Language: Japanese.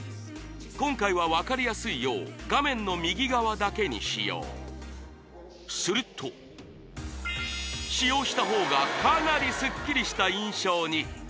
今回は分かりやすいよう画面の右側だけに使用すると使用した方がかなりスッキリした印象に！